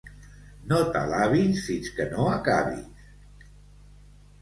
No t'alabis fins que no acabis.